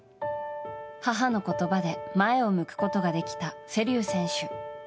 母の言葉で前を向くことができた瀬立選手。